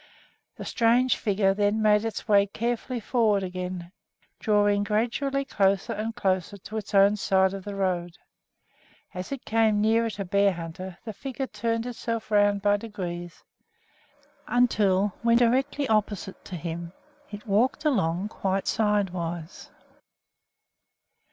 The strange figure then made its way carefully forward again, drawing gradually closer and closer to its own side of the road. As it came nearer to Bearhunter the figure turned itself around by degrees, until, when directly opposite to him, it walked along quite sidewise.